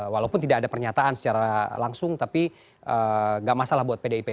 walaupun tidak ada pernyataan secara langsung tapi nggak masalah buat pdip